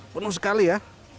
penuh sekali ya